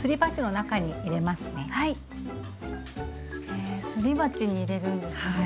へえすり鉢に入れるんですね。